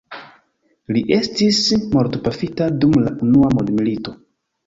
Li estis mortpafita dum la unua mondmilito.